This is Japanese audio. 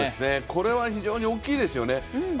これは非常に大きいですよね。